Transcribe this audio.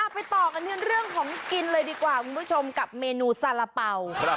ไปต่อกันที่เรื่องของกินเลยดีกว่าคุณผู้ชมกับเมนูสาระเป๋า